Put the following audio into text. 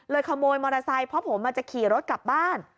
ขโมยมอเตอร์ไซค์เพราะผมจะขี่รถกลับบ้าน